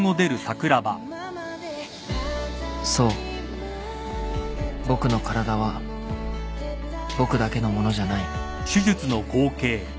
［そう僕の体は僕だけのものじゃない］